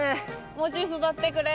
もうちょい育ってくれ。